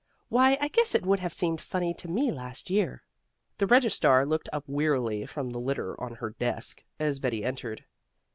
Why, I guess it would have seemed funny to me last year." The registrar looked up wearily from the litter on her desk, as Betty entered.